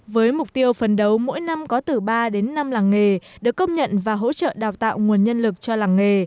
với mục tiêu phần đầu mỗi năm có từ ba đến năm làng nghề được công nhận và hỗ trợ đào tạo nguồn nhân lực cho làng nghề